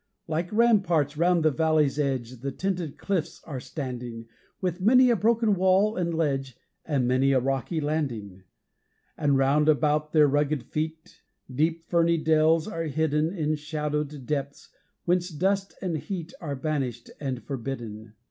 Like ramparts round the valley's edge The tinted cliffs are standing, With many a broken wall and ledge, And many a rocky landing. And round about their rugged feet Deep ferny dells are hidden In shadowed depths, whence dust and heat Are banished and forbidden.